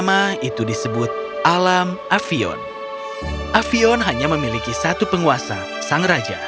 avion avion hanya memiliki satu penguasa sang raja